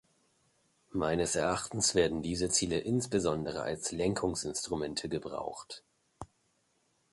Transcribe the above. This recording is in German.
Meines Erachtens werden diese Ziele insbesondere als Lenkungsinstrumente gebraucht.